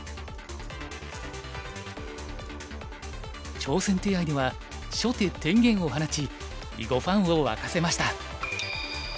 挑戦手合では初手天元を放ち囲碁ファンを沸かせました。